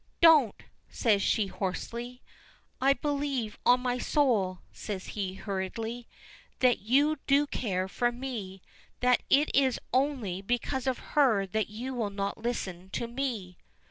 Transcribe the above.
"Don't!" says she, hoarsely. "I believe on my soul," says he, hurriedly, "that you do care for me. That it is only because of her that you will not listen to me."